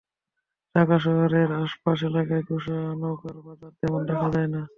ঢাকা শহরের আশপাশ এলাকায় কোষা নৌকার বাজার তেমন দেখা যায় না।